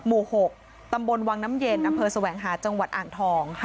หมู่๖ตำบลวังน้ำเย็นอำเภอแสวงหาจังหวัดอ่างทอง